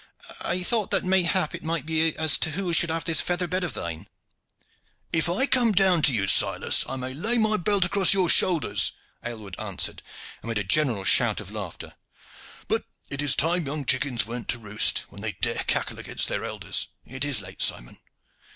"I thought that mayhap it might be as to who should have this feather bed of thine." "If I come down to you, Silas, I may lay my belt across your shoulders," Aylward answered, amid a general shout of laughter. "But it is time young chickens went to roost when they dare cackle against their elders. It is late, Simon."